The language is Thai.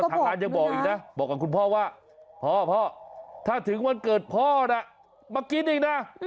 อาหารยังบอกว่าพ่อถ้าถึงวันเกิดพ่อมากินถือนะ